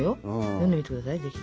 読んでみてくださいぜひ。